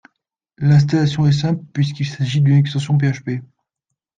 L'installation est simple puisqu'il s'agisse d'une extension PHP